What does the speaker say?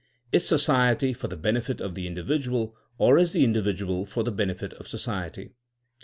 Is society for the benefit of the individual or is the individual for the benefit of society?